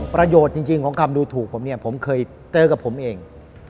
ประโยชน์จริงของคำดูถูกผมเนี่ยผมเคยเจอกับผมเอง